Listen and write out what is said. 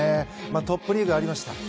トップリーグありました。